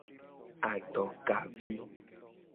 Adokavi.